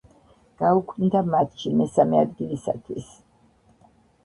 გაუქმდა მატჩი მესამე ადგილისათვის.